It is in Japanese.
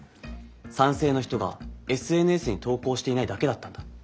さんせいの人がＳＮＳに投稿していないだけだったんだ。